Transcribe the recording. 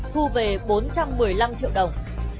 thu về bốn trăm một mươi năm triệu đồng